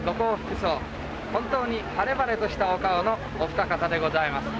本当に晴れ晴れとしたお顔のお二方でございます。